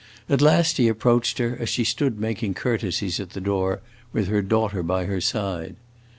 At last he approached her, as she stood making courtesies at the door, with her daughter by her side.